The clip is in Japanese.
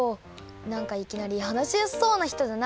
なんかいきなりはなしやすそうなひとだな。